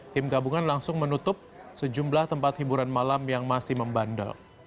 tim gabungan langsung menutup sejumlah tempat hiburan malam yang masih membandel